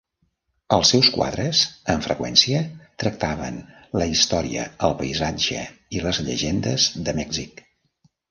Els seus quadres, amb freqüència, tractaven la història, el paisatge i les llegendes de Mèxic.